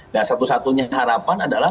nah satu satunya harapan adalah